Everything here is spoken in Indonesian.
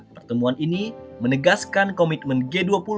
pertemuan ini menegaskan komitmen g dua puluh